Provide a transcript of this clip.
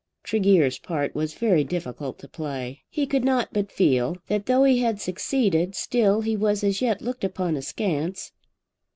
Tregear's part was very difficult to play. He could not but feel that though he had succeeded, still he was as yet looked upon askance.